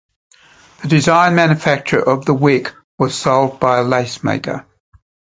The design manufacture of the wick was solved by a lacemaker.